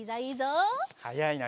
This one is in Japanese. はやいな。